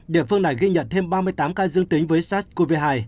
địa phương này ghi nhận thêm ba mươi tám ca dương tính với sars cov hai